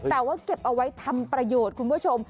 แต่ว่าเก็บเอาไว้ทำประโยชน์คุณผู้ชม